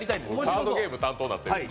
カードゲーム担当になってる。